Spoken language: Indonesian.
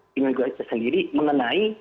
generasi kita sendiri mengenai